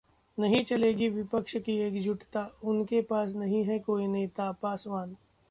नहीं चलेगी विपक्ष की एकजुटता, उनके पास नहीं है कोई नेता: पासवान